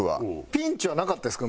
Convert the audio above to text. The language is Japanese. ピンチはなかったですか？